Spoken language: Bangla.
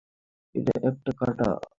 এটা একটা কাঁটা।